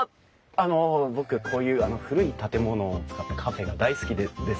あの僕こういう古い建物を使ったカフェが大好きでですね。